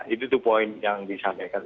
itu tuh poin yang disampaikan